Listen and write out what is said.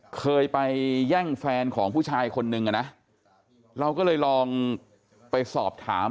เคยไปแย่งแฟนของผู้ชายคนนึงอ่ะนะเราก็เลยลองไปสอบถาม